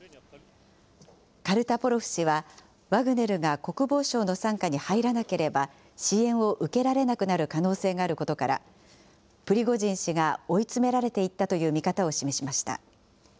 カルタポロフ氏はワグネルが国防省の傘下に入らなければ、支援を受けられなくなる可能性があることから、プリゴジン氏が追い詰められていったという見方を示しました。